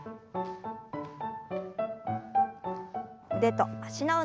腕と脚の運動です。